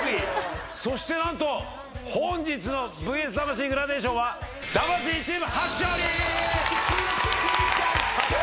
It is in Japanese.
そして何と本日の『ＶＳ魂』グラデーションは魂チーム初勝利！